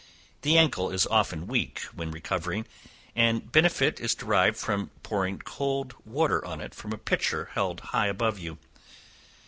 The ancle is often weak when recovering, and benefit is derived from pouring cold water on it from a pitcher held high above you.